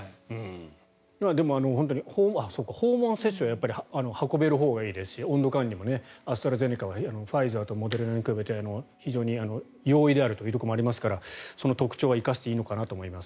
でも、本当に訪問接種は運べるほうがいいですし温度管理もアストラゼネカはファイザーとモデルナに比べて非常に容易なところがありますからその特徴は生かしていいのかなと思います。